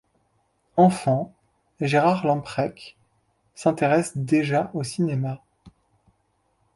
Enfant, Gerhard Lamprecht s'intéresse déjà au cinéma.